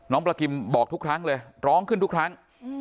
ประกิมบอกทุกครั้งเลยร้องขึ้นทุกครั้ง